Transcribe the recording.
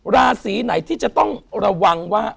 ราศีไหนที่จะต้องระวังว่า